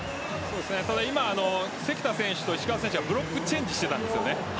今、関田選手と石川選手がブロックチェンジしていたんです。